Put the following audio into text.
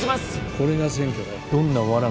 これが選挙だよ。